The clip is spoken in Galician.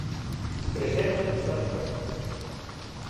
Presenza no Estado español